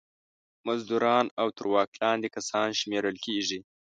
مزدوران او تر واک لاندې کسان شمېرل کیږي.